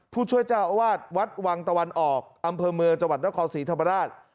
ผู้ช่วยเจ้าอวาดวัดวังตะวันออกอำเภอเมือจนครศรีธรรมดาล